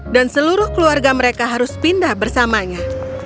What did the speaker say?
dan seluruh keluarga mereka harus pindah bersamanya